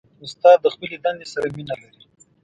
استاد د خپلې دندې سره مینه لري.